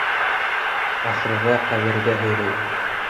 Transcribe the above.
Ахырҙа ҡәбергә һөйрәй.